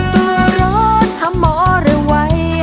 ตัดตัวร้อนห้ามหมอระวัย